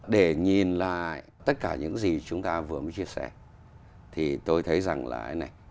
để nhìn lại tất cả những gì chúng ta vừa mới chia sẻ thì tôi thấy rằng là chúng ta đã có